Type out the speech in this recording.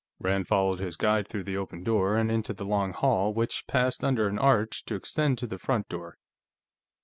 Rand followed his guide through the open door and into the long hall, which passed under an arch to extend to the front door.